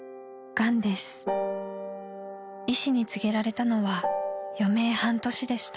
［医師に告げられたのは余命半年でした］